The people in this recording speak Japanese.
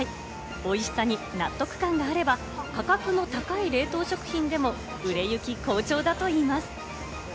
おいしさに納得感があれば、価格の高い冷凍食品でも売れ行き好調だといいます。